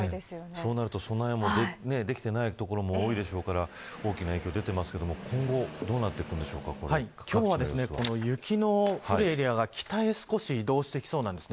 そうなると備えもできていないところも多いでしょうから大きな影響が出ていますけれども今後今日は、雪の降るエリアが北へ少し移動してきそうなんです。